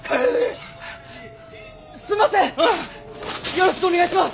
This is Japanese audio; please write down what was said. よろしくお願いします！